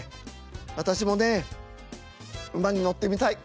私もね馬に乗ってみたい。